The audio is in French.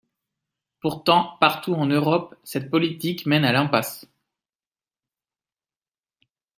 Pourtant, partout en Europe, cette politique mène à l’impasse.